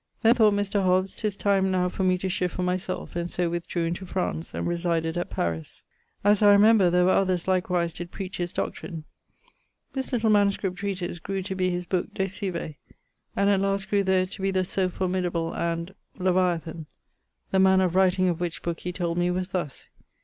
Then thought Mr. Hobbes, 'tis time now for me to shift for my selfe, and so withdrew into France, and resided at Paris. As I remember, there were others likewise did preach his doctrine. This little MS. treatise grew to be his book De Cive, and at last grew there to be the so formidable and ... LEVIATHAN; the manner of writing of which booke (he told me) was thus.